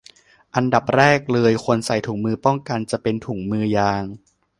อันดับแรกเลยควรใส่ถุงมือป้องกัน จะเป็นถุงมือยาง